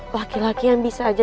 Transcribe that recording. laki laki yang bisa aja